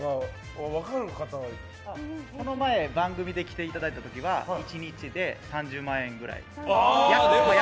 この前番組で来ていただいた時は１日で３０万円ぐらい。